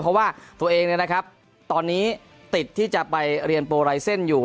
เพราะว่าตัวเองตอนนี้ติดที่จะไปเรียนโปรไลเซ็นต์อยู่